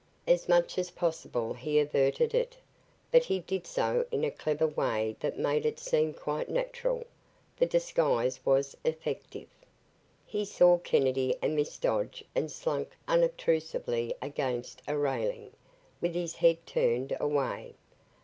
As much as possible he averted it, but he did so in a clever way that made it seem quite natural. The disguise was effective. He saw Kennedy and Miss Dodge and slunk unobtrusively against a railing, with his head turned away.